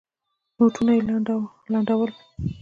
نوټونه لانده ول.